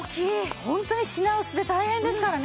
ホントに品薄で大変ですからね。